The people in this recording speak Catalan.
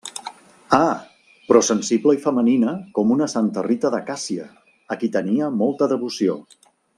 Ah, però sensible i femenina com una santa Rita de Càssia, a qui tenia molta devoció.